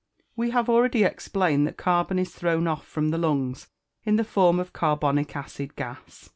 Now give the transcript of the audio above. _ We have already explained that carbon is thrown off from the lungs in the form of carbonic acid gas.